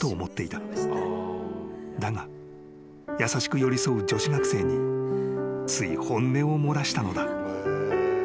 ［だが優しく寄り添う女子学生につい本音を漏らしたのだ］